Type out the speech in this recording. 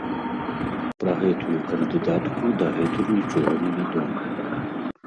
Пра гэтую кандыдатку дагэтуль нічога невядома.